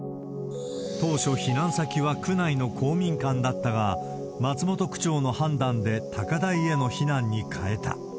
当初、避難先は区内の公民館だったが、松本区長の判断で高台への避難に変えた。